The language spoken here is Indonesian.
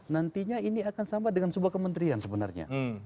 nantinya ini akan sama dengan sebuah kementerian sebenarnya